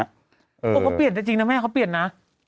ไม่ผิดได้จริงนะแม่าเขาเปลี่ยนน่ะ